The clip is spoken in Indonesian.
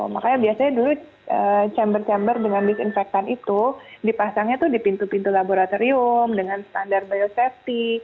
makanya biasanya dulu chamber chamber dengan disinfektan itu dipasangnya itu di pintu pintu laboratorium dengan standar biosafety